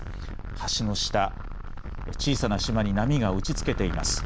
橋の下、小さな島に波が打ちつけています。